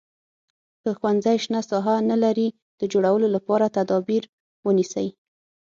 که ښوونځی شنه ساحه نه لري د جوړولو لپاره تدابیر ونیسئ.